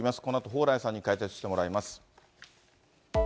このあと蓬莱さんに解説してもらいます。